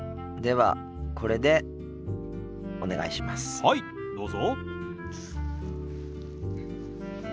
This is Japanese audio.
はいどうぞ。